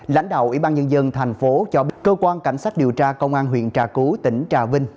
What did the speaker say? lãnh đạo ủy ban nhân dân tp hcm cho biết cơ quan cảnh sát điều tra công an huyện trà cú tỉnh trà vinh